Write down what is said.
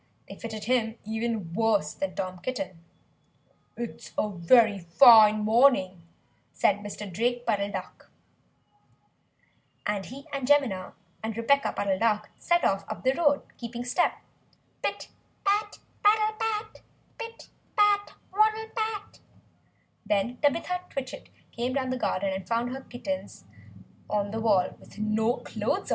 _ They fitted him even worse than Tom Kitten. "It's a very fine morning!" said Mr. Drake Puddle Duck. And he and Jemima and Rebeccah Puddle Duck set off up the road, keeping step pit pat, paddle pat! pit pat, waddle pat! Then Tabitha Twitchit came down the garden and found her kittens on the wall with no clothes on.